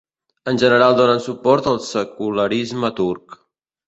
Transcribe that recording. En general donen suport al secularisme turc.